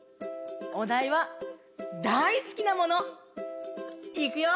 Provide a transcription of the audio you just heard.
おだいは「だいすきなもの」。いくよ！